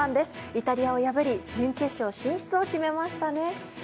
イタリアを破り準決勝進出を決めましたね。